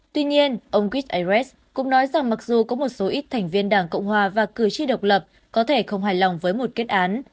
tuy nhiên ông chris ares cũng nói rằng mặc dù có một số ít thành viên đảng cộng hòa và cử tri độc lập có thể không hài lòng với một kết án